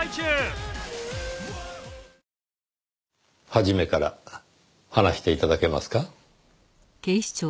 始めから話して頂けますか？